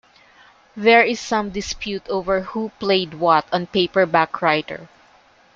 There is some dispute over who played what on "Paperback Writer".